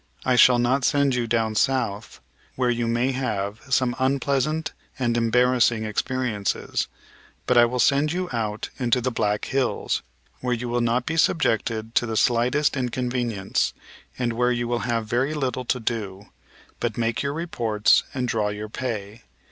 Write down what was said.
I shall not send you down South, where you may have some unpleasant and embarrassing experiences, but I will send you out into the Black Hills, where you will not be subjected to the slightest inconvenience and where you will have very little to do, but make your reports and draw your pay.